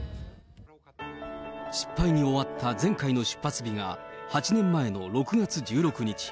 失敗に終わった前回の出発日が８年前の６月１６日。